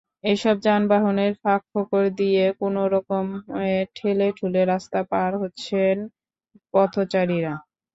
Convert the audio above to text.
এসব যানবাহনের ফাঁকফোকর দিয়ে কোনো রকমে ঠেলেঠুলে রাস্তা পার হচ্ছেন পথচারীরা।